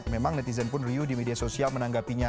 memang netizen pun riuh di media sosial menanggapinya